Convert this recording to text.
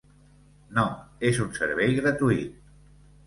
No, és un servei gratuït.